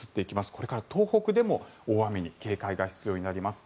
これから東北でも大雨に警戒が必要になります。